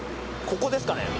ここですかね？